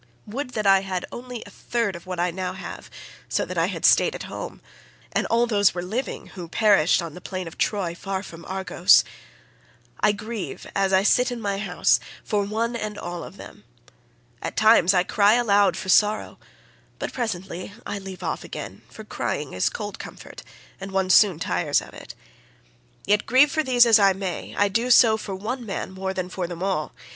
Would that I had only a third of what I now have so that I had stayed at home, and all those were living who perished on the plain of Troy, far from Argos. I often grieve, as I sit here in my house, for one and all of them. At times I cry aloud for sorrow, but presently I leave off again, for crying is cold comfort and one soon tires of it. Yet grieve for these as I may, I do so for one man more than for them all.